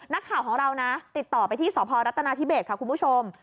นักข่าวของเรานะติดต่อไปที่สพรัฐนาธิเบสค่ะคุณผู้ชม